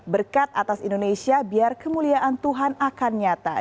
berkat atas indonesia biar kemuliaan tuhan akan nyata